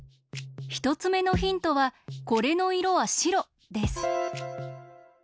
ひとつめのヒントはこれのいろはしろです。